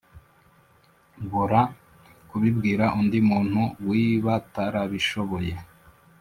bora kubibwira undi muntu w ibatarabishoboye